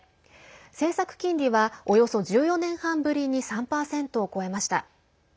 政策金利はおよそ１４年半ぶりに３％を超えました。